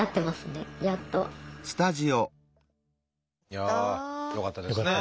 いやあよかったですね。